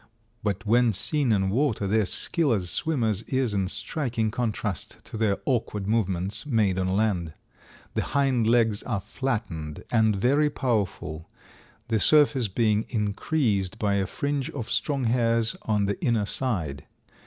But when seen in water their skill as swimmers is in striking contrast to their awkward movements made on land. The hind legs are flattened and very powerful, the surface being increased by a fringe of strong hairs on the inner side.